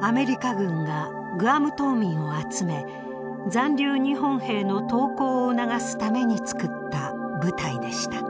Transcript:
アメリカ軍がグアム島民を集め残留日本兵の投降を促すために作った部隊でした。